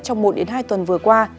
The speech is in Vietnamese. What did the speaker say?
trong một hai tuần vừa qua